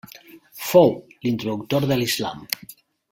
Fou introductor de l'Islam.